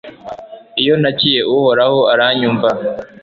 iyo ntakiye uhoraho, aranyumva